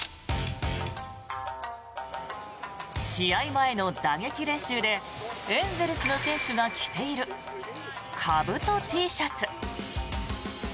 試合前の打撃練習でエンゼルスの選手が着ているかぶとＴシャツ。